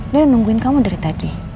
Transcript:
dia nungguin kamu dari tadi